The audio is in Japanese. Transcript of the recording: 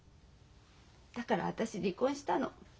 だから私離婚したの。